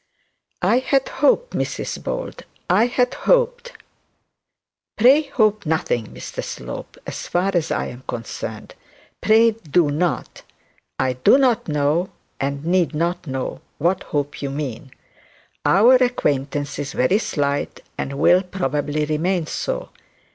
'I had hoped, Mrs Bold I had hoped ' 'Pray hope nothing, Mr Slope, as far as I am concerned; pray do not; I do not know, and need not know what hope you mean. Our acquaintance is very slight, and will probably remain so.